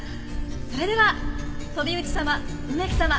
それでは飛内様梅木様